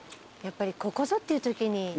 やっぱりここぞっていうときに。